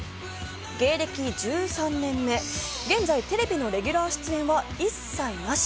芸歴１３年目、現在テレビのレギュラー出演は一切なし。